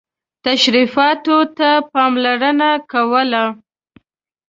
تشریفاتو ته پاملرنه کوله.